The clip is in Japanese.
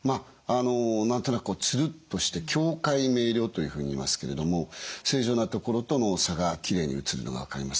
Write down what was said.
何となくつるっとして境界明瞭というふうにいいますけれども正常な所との差がきれいに写るのが分かります。